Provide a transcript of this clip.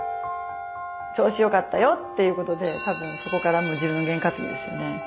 調子よかったよっていうことでたぶんそこからの自分の験担ぎですよね。